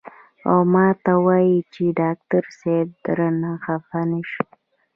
او ماته وائي چې ډاکټر صېب درنه خفه نشي " ـ